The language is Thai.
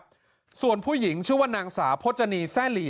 ครับส่วนผู้หญิงชื่อว่านางสาวพจนีแซ่หลี